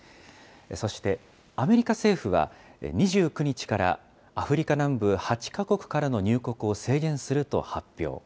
そしてアメリカ政府は、２９日からアフリカ南部８か国からの入国を制限すると発表。